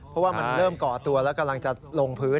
เพราะว่ามันเริ่มก่อตัวแล้วกำลังจะลงพื้น